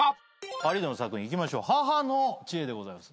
ハリードの作品いきましょう「母の知恵」でございます。